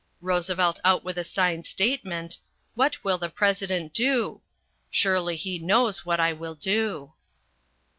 Roosevelt out with a signed statement, What will the President Do? Surely he knows what I will do.